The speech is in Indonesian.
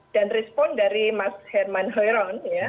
dan respon dari mas herman hoeron ya